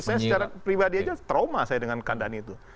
saya secara pribadi aja trauma saya dengan keadaan itu